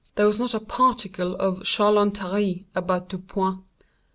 There was not a particle of charlatânerie about Dupin.